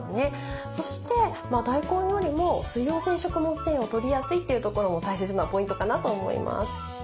そして大根よりも水溶性食物繊維をとりやすいというところも大切なポイントかなと思います。